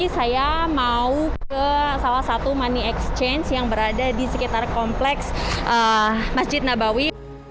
saya mau ke salah satu money exchange yang berada di sekitar kompleks masjid nabawi